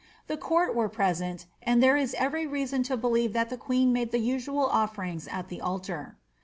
The court were present, and there is every reason to believe that the queen made the usual oflerings at the altar.